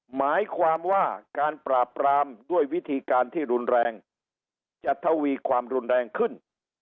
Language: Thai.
หมายความว่าการปราบปรามด้วยวิธีการที่รุนแรงจะทวีความรุนแรงขึ้น